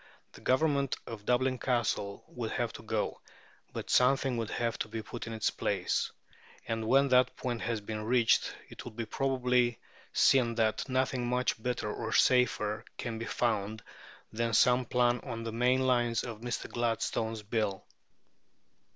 The government of Dublin Castle would have to go, but something would have to be put in its place; and when that point has been reached it will probably be seen that nothing much better or safer can be found than some plan on the main lines of Mr. Gladstone's Bill.